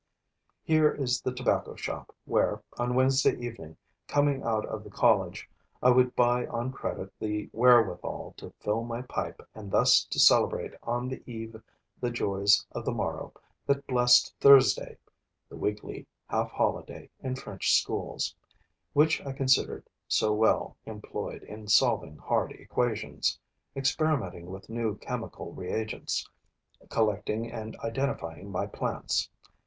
Here is the tobacco shop where, on Wednesday evening, coming out of the college, I would buy on credit the wherewithal to fill my pipe and thus to celebrate on the eve the joys of the morrow, that blessed Thursday [the weekly half holiday in French schools] which I considered so well employed in solving hard equations, experimenting with new chemical reagents, collecting and identifying my plants.